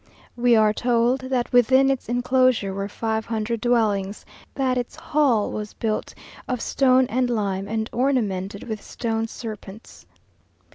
We are told, that within its enclosure were five hundred dwellings, that its hall was built of stone and lime, and ornamented with stone serpents.